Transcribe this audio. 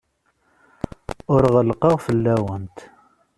Ur ɣellqeɣ fell-awent.